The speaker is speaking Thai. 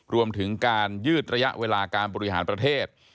รวมถึงการยืดระยะเวลาการบริหารประเทศ